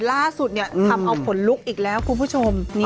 ล่าสุดทำเอาขนลุกอีกแล้วคุณผู้ชม